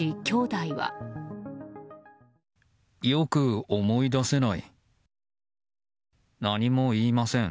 よく思い出せない。